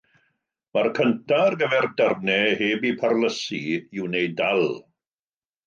Mae'r cyntaf ar gyfer darnau heb eu parlysu i wneud dal.